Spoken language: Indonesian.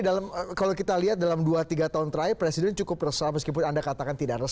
dalam kalau kita lihat dalam dua tiga tahun terakhir presiden cukup resah meskipun anda katakan tidak resah